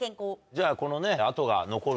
じゃあこのね。